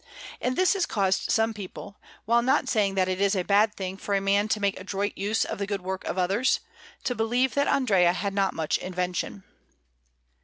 And this has caused some people, while not saying that it is a bad thing for a man to make adroit use of the good work of others, to believe that Andrea had not much invention.